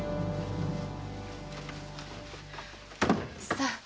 ・さあ。